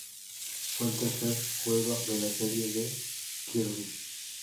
Fue el tercer juego de la serie de "Kirby".